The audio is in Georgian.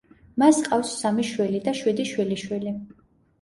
მას ჰყავს სამი შვილი და შვიდი შვილიშვილი.